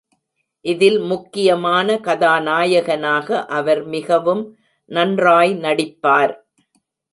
இதில் முக்கியமான கதாநாயகனாக அவர் மிகவும் நன்றாய் நடிப்பார்.